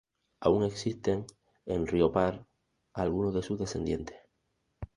Aún existen en Riópar algunos de sus descendientes.